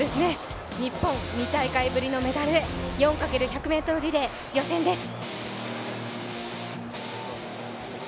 日本、２大会ぶりのメダルへ、４×１００ｍリレー予選です。